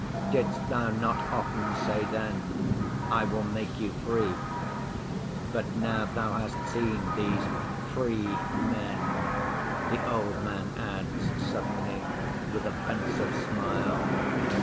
Didst Thou not often say then, "I will make you free"? But now Thou hast seen these "free" men,' the old man adds suddenly, with a pensive smile.